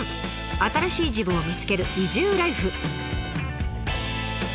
新しい自分を見つける移住ライフ。